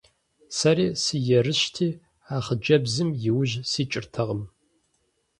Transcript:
Сэри сыерыщти, а хъыджэбзым и ужь сикӀыртэкъым.